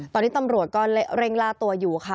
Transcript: ตอนนี้ตำรวจก็เร่งล่าตัวอยู่ค่ะ